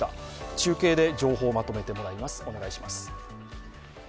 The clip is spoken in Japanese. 中継で情報をまとめてもらいます。